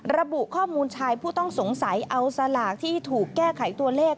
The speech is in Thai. ระบุข้อมูลชายผู้ต้องสงสัยเอาสลากที่ถูกแก้ไขตัวเลข